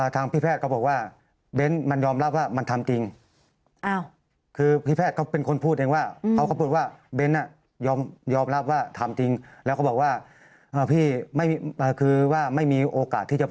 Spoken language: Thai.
ทางพี่แพทย์เขาบอกว่า